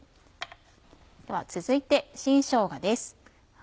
続いて新しょうがです。